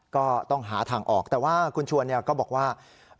ก็ต้องหาทางออกแต่ว่าคุณชวนก็บอกว่า